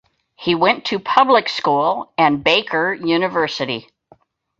He went to public school and Baker University.